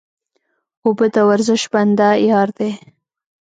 اوبه د ورزش بنده یار دی